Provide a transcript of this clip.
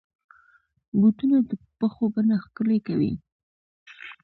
بوټونه د پښو بڼه ښکلي کوي.